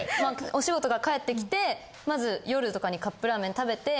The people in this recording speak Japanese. お仕事から帰ってきてまず夜とかにカップラーメン食べて。